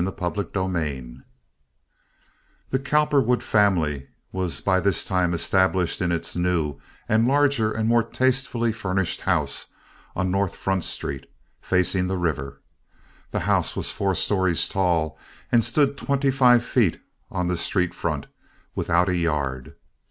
Chapter VI The Cowperwood family was by this time established in its new and larger and more tastefully furnished house on North Front Street, facing the river. The house was four stories tall and stood twenty five feet on the street front, without a yard.